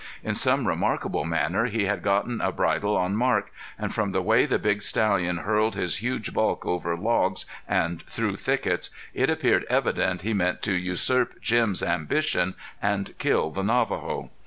In some remarkable manner he had gotten a bridle on Marc, and from the way the big stallion hurled his huge bulk over logs and through thickets, it appeared evident he meant to usurp Jim's ambition and kill the Navajo.